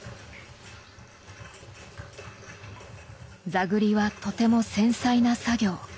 座繰りはとても繊細な作業。